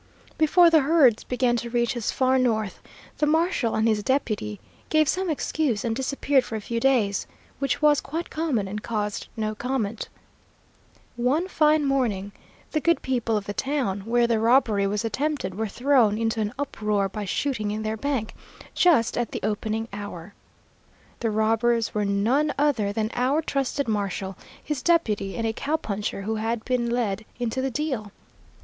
"Before the herds began to reach as far north, the marshal and his deputy gave some excuse and disappeared for a few days, which was quite common and caused no comment. One fine morning the good people of the town where the robbery was attempted were thrown into an uproar by shooting in their bank, just at the opening hour. The robbers were none other than our trusted marshal, his deputy, and a cow puncher who had been led into the deal.